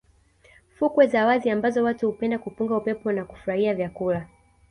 fukwe za wazi ambazo watu hupenda kupunga upepo na kufurahia vyakula